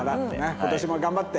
今年も頑張って。